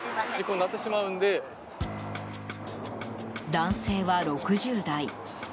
男性は６０代。